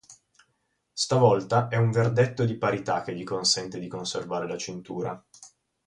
Stavolta, è un verdetto di parità che gli consente di conservare la cintura.